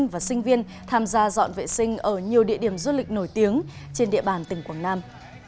và sinh viên tham gia dọn vệ sinh ở nhiều địa điểm du lịch nổi tiếng trên địa bàn tỉnh quảng nam